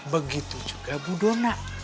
begitu juga ibu donat